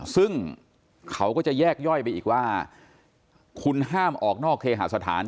ซึ่งเขาก็จะแยกย่อยไปอีกว่าคุณห้ามออกนอกเคหาสถาน